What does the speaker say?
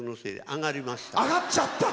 あがりました。